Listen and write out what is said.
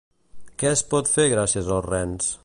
Què es pot fer gràcies als rens?